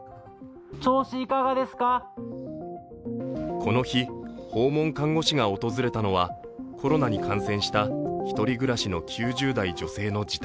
この日、訪問看護師が訪れたのはコロナに感染した１人暮らしの９０代女性の自宅。